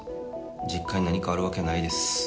実家に何かあるわけないです。